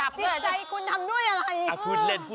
เป็นคีทอย่างเดียวจับก่อน